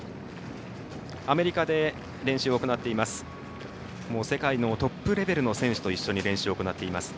アメリカで練習を行っています。